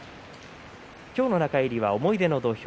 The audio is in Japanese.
今日の中入りは「思い出の土俵」